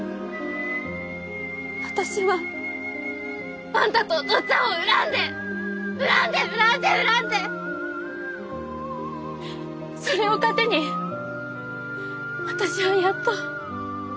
私はあんたとお父っつぁんを恨んで恨んで恨んで恨んでそれを糧に私はやっとやっと生きてきた！